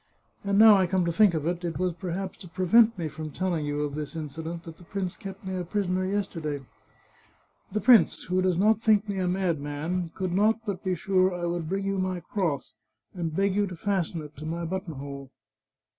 And now I come to think oi it, it was perhaps to prevent me from tell ing you of this incident that the prince kept me a prisoner yesterday. The prince, who does not think me a madman, could not but be sure I would bring you my cross, and beg you to fasten it to my buttonhole."